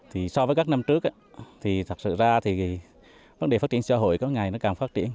thì so với các năm trước thì thật sự ra thì vấn đề phát triển xã hội có ngày nó càng phát triển